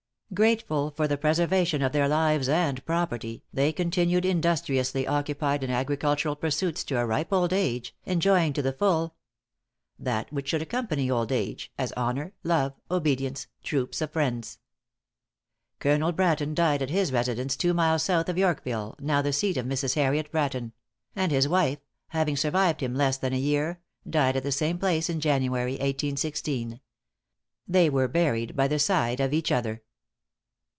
Grateful for the preservation of their lives and property, they continued industriously occupied in agricultural pursuits to a ripe old age, enjoying to the full= ```"That which should accompany old age, ```As honor, love, obedience, troops of friends."= Colonel Bratton died at his residence two miles south of Yorkville, now the seat of Mrs. Harriet Bratton; and his wife, having survived him less than a year, died at the same place in January, 1816. They were buried by the side of each other.